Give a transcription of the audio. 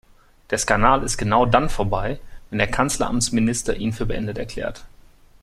Der Skandal ist genau dann vorbei, wenn der Kanzleramtsminister ihn für beendet erklärt.